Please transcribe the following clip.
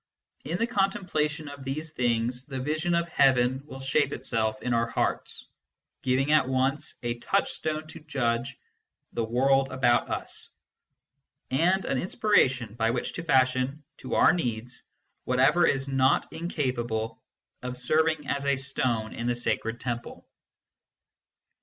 In the contemplation of these things the vision of heaven will shape itself in our hearts, giving at once a touch stone to judge the world about us, and an inspiration by which to fashion to our needs whatever is not incapable of serving as a stone in the sacred temple.